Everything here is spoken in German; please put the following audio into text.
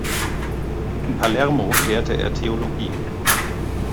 In Palermo lehrte er Theologie.